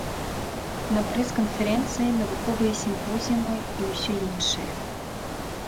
На прэс-канферэнцыі, навуковыя сімпозіумы і ўсё іншае.